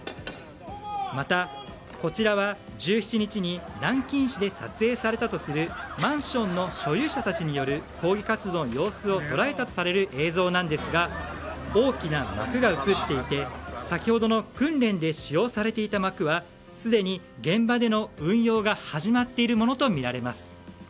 また、こちらは１７日に南京市で撮影されたというマンションの所有者たちによる抗議活動の様子を捉えたとされる映像なんですが大きな幕が映っていて先ほどの訓練で使用されていた幕はすでに現場での運用が始まっているものとみられます。